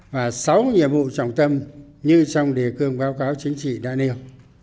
và sáu nhiệm vụ trọng tâm như trong đề cương báo cáo chính trị đã nêu